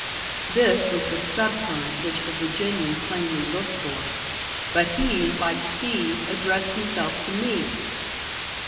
This was the sub current which the Virginian plainly looked for. But he, like Steve, addressed himself to me.